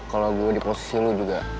kalau gue di posisi lu juga